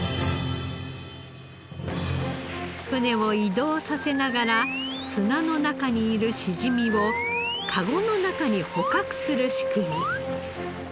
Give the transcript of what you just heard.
船を移動させながら砂の中にいるしじみを籠の中に捕獲する仕組み。